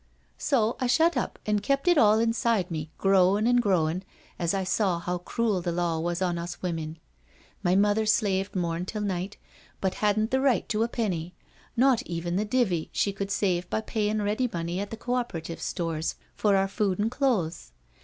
So I shut up an' kept it all inside me, growin' an* growin' as I saw how cruel the law was on us women. My mother slaved morn till night, but hadn't the right to a penny, not even the divi she could save by payin* ready money at the Co operative Stores for our food an' clothes.